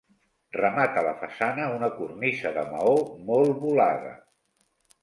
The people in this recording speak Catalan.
Remata la façana una cornisa de maó molt volada.